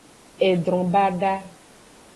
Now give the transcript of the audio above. Edron bada.